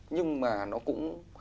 nhưng mà nó cũng